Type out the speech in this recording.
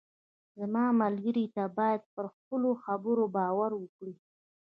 زما ملګری، ته باید پر خپلو خبرو باور وکړې.